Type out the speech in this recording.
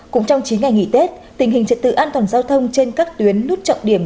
cũng trong chín ngày nghỉ tết tình hình trật tự an toàn giao thông trên các tuyến nút trọng điểm